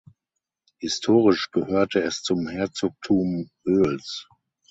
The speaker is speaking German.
Historisch gehörte es zum Herzogtum Oels.